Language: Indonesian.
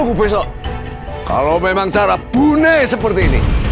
bapak terlalu percaya sama bukitulian